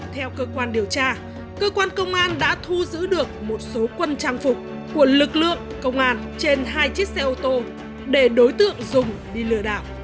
theo cơ quan điều tra cơ quan công an đã thu giữ được một số quân trang phục của lực lượng công an trên hai chiếc xe ô tô để đối tượng dùng đi lừa đảo